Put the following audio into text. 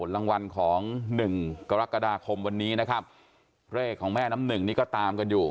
รางวัลของ๑กรกฎาคมวันนี้นะครับเลขของแม่น้ำหนึ่งนี่ก็ตามกันอยู่